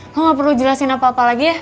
kamu gak perlu jelasin apa apa lagi ya